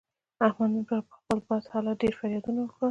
احمد نن پر خپل بد حالت ډېر فریادونه وکړل.